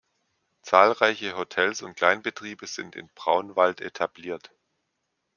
Zahlreiche Hotels und Kleinbetriebe sind in Braunwald etabliert.